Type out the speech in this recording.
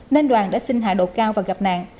nên đoàn đã xin hạ độ cao và gặp nạn